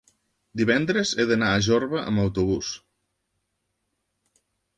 divendres he d'anar a Jorba amb autobús.